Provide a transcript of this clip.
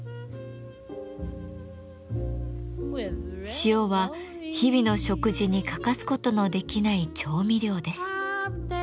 塩は日々の食事に欠かすことのできない調味料です。